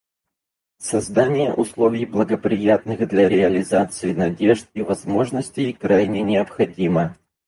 Создание условий, благоприятных для реализации надежд и возможностей, крайне необходимо.